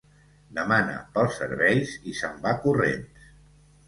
Demana pels serveis i se'n va corrents.